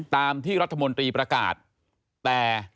ตามที่รัฐมนตรีประกาศแต่